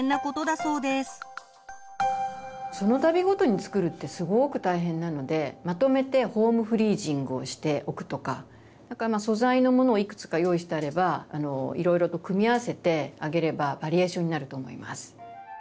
そのたびごとに作るってすごく大変なのでまとめてホームフリージングをしておくとか素材のものをいくつか用意してあればいろいろと組み合わせてあげればバリエーションになると思います。